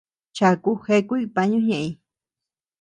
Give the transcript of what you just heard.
Chaku jeakuy pañu ñeʼeñ.